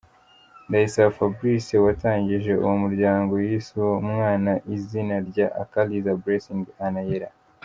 Ndayisaba Fabrice watangije uwo muryango yise uwo mwana izina rya “Akariza Blessing Anaëlle”.